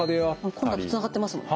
コロナとつながってますもんね。